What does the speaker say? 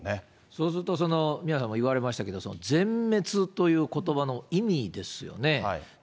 そうすると、宮根さんが言われましたけど、全滅ということばの意味ですよね。